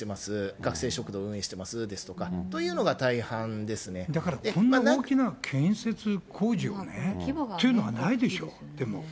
学生食堂運営してますですとか、といだからこんなに大きな建設工事をね、というのはないでしょう、でも。